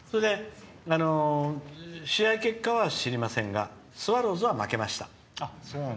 試合結果は知りませんがスワローズは負けました。